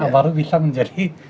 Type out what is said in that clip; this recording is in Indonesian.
baru bisa menjadi